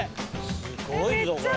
すごいぞこれ。